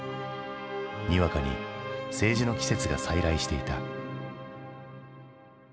にわかに政治の季節が再来していた。